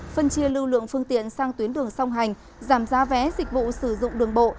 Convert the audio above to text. phân chia lưu lượng phương tiện sang tuyến đường song hành giảm giá vé dịch vụ sử dụng đường bộ